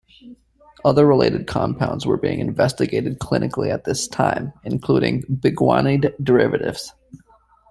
Other related compounds were being investigated clinically at this time, including biguanide derivatives.